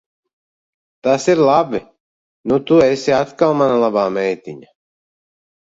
Tas ir labi. Nu tu esi atkal mana labā meitiņa.